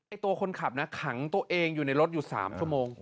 ตัวคนขับนะขังตัวเองอยู่ในรถอยู่๓ชั่วโมง